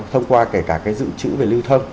thông qua kể cả cái dự trữ về lưu thông